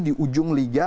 di ujung liga